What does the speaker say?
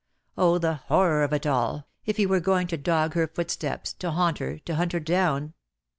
Oh, the horror of it all, if he were going to dog her foot steps, to haunt her, to hunt her down!